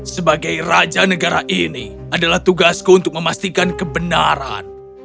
sebagai raja negara ini adalah tugasku untuk memastikan kebenaran